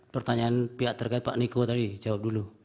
pertanyaan pihak terkait pak niko tadi jawab dulu